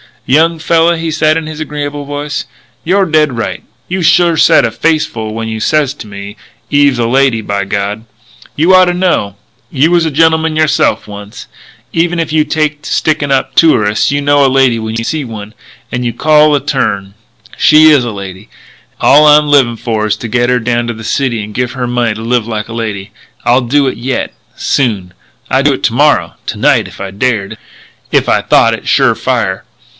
"Young fella," he said in his agreeable voice, "you're dead right. You sure said a face full when you says to me, 'Eve's a lady, by God!' You oughta know. You was a gentleman yourself once. Even if you take to stickin' up tourists you know a lady when you see one. And you called the turn. She is a lady. All I'm livin' for is to get her down to the city and give her money to live like a lady. I'll do it yet.... Soon!... I'd do it to morrow to night if I dared.... If I thought it sure fire....